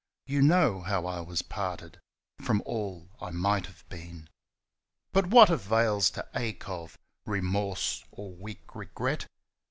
You know how I was parted From all I might have been. But what avails the ache of Remorse or weak regret?